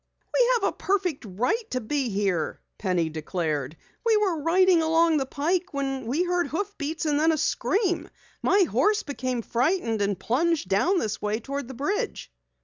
"We have a perfect right to be here," Penny declared. "We were riding along the pike when we heard hoofbeats, then a scream. My horse became frightened and plunged down this way toward the bridge."